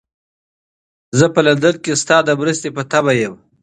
زه په لندن کې ستا د مرستې په تمه یم.